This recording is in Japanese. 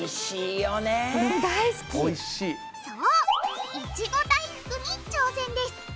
そういちご大福に挑戦です。